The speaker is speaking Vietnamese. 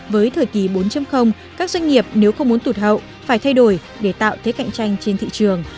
với thời kỳ bốn các doanh nghiệp nếu không muốn tụt hậu phải thay đổi để tạo thế cạnh tranh trên thị trường